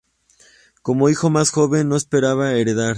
Como hijo más joven, no esperaba heredar.